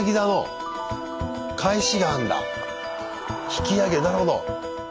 引き上げるなるほど。